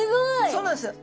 そうなんですよ。